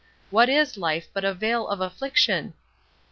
What is life but a veil of affliction?